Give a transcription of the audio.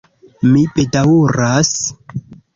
Mi bedaŭras.